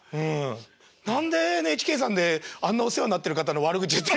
何でＮＨＫさんであんなお世話になってる方の悪口言って。